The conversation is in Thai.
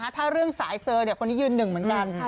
ถ้าเรื่องสายเซอร์คนนี้ยืนหนึ่งเหมือนกัน